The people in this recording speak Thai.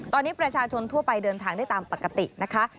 ตอนนี้ประชาชนทั่วไปเดินทางได้ตามปกตินะคะ